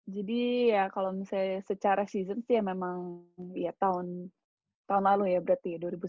jadi ya kalau misalnya secara season sih ya memang tahun lalu ya berarti